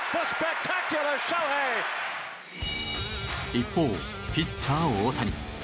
一方ピッチャー大谷。